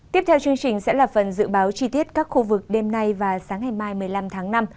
tiếp theo chương trình sẽ là phần dự báo chi tiết các khu vực đêm nay và sáng ngày mai một mươi năm tháng năm